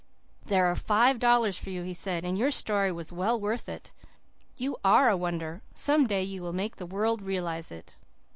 "There are five dollars for you," he said, "and your story was well worth it. You ARE a wonder. Some day you will make the world realize it.